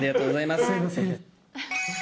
すみません。